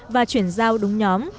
và chuyển giao đúng nguồn